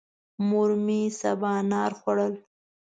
مور مې سبانار خوړل.